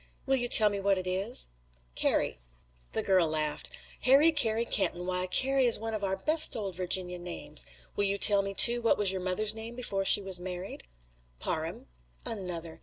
"Will you tell me what it is?" "Cary." The girl laughed. "Harry Cary Kenton. Why Cary is one of our best old Virginia names. Will you tell me too what was your mother's name before she was married?" "Parham." "Another.